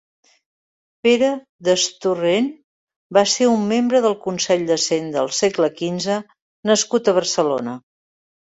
Pere Destorrent va ser un membre del Consell de Cent del segle quinze nascut a Barcelona.